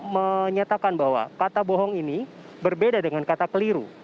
menyatakan bahwa kata bohong ini berbeda dengan kata keliru